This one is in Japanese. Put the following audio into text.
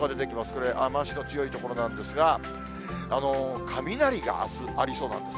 これ、雨足の強い所なんですが、雷があす、ありそうなんです。